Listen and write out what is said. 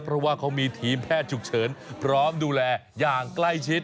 เพราะว่าเขามีทีมแพทย์ฉุกเฉินพร้อมดูแลอย่างใกล้ชิด